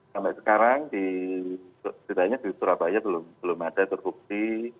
sampai sekarang sejujurnya di surabaya belum ada terkuksi